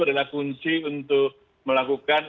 adalah kunci untuk melakukan